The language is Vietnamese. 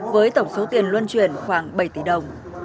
với tổng số tiền luân chuyển khoảng bảy tỷ đồng